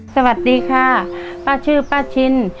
สวัสดีค่ะป้าชื่อป้าชิน